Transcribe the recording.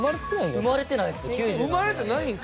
生まれてないんか。